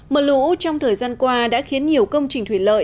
mưa lũ trong thời gian qua đã khiến nhiều công trình thủy lợi